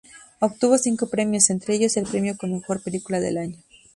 Obtuvo cinco premios, entre ellos el premio como mejor película del año.